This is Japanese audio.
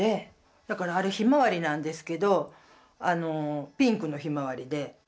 だからあれヒマワリなんですけどピンクのヒマワリで。